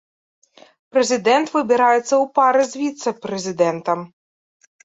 Прэзідэнт выбіраецца ў пары з віцэ-прэзідэнтам.